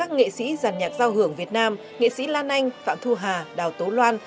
nghệ sĩ giàn nhạc giao hưởng việt nam nghệ sĩ lan anh phạm thu hà đào tố loan